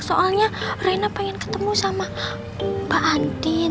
soalnya rena pengen ketemu sama mbak andin